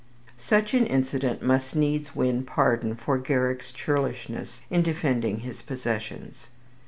Such an incident must needs win pardon for Garrick's churlishness in defending his possessions.